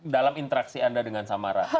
dalam interaksi anda dengan samara